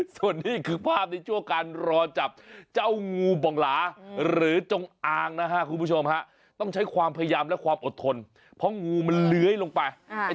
ส่วนนี้คือภาพในช่วงการรอจับเจ้างูบ่องหลาหรือจงอางนะฮะคุณผู้ชมฮะต้องใช้ความพยายามและความอดทนเพราะงูมันเลื้อยลงไป